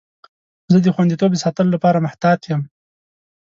زه د خوندیتوب د ساتلو لپاره محتاط یم.